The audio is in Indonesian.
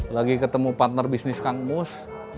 lagi ketemu partner bisnis kang mus